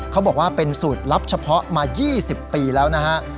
เขาบอกว่าเป็นสูตรลับเฉพาะมา๒๐ปีแล้วนะฮะ